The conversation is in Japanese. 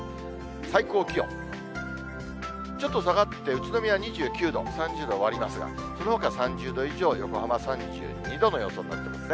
最高気温、ちょっと下がって、宇都宮２９度、３０度を割りますが、そのほか、３０度以上、横浜３２度の予想になってますね。